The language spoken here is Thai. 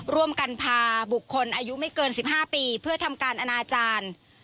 ร่วมกันพาบุคคลอายุไม่เกิน๑๕ปีเพื่อทำการอนาจารย์